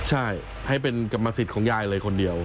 ใช่ให้เป็นกรรมสิทธิ์ของยายเลยคนเดียว